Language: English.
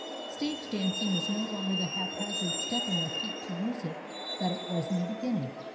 Stage dancing is no longer the haphazard stepping of feet to music that it was in the beginning.